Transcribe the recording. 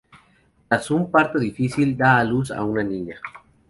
Tras un parto difícil, da a luz a una niña.